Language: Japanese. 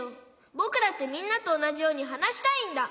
ぼくだってみんなとおなじようにはなしたいんだ！